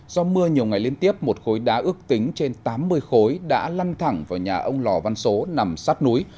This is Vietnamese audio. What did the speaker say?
do mưa nhiều ngày liên tiếp một khối đá ước tính trên tám mươi khối đã lăn thẳng vào nhà ông lò văn số nằm sát núi